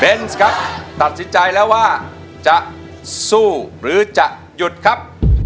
ครับตัดสินใจแล้วว่าจะสู้หรือจะหยุดครับ